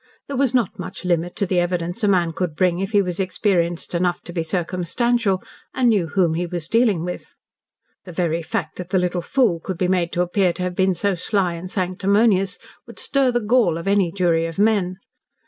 There was not much limit to the evidence a man could bring if he was experienced enough to be circumstantial, and knew whom he was dealing with. The very fact that the little fool could be made to appear to have been so sly and sanctimonious would stir the gall of any jury of men.